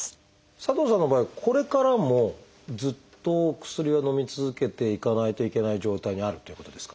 佐藤さんの場合これからもずっと薬をのみ続けていかないといけない状態にあるっていうことですか？